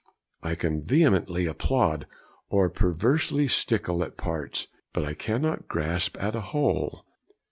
I can vehemently applaud, or perversely stickle, at parts; but I cannot grasp at a whole.